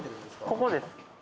ここです。